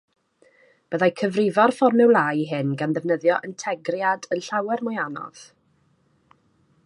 Byddai cyfrifo'r fformiwlâu hyn gan ddefnyddio integriad yn llawer mwy anodd.